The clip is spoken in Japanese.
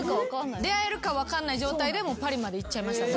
出会えるか分かんない状態でパリまで行っちゃいました。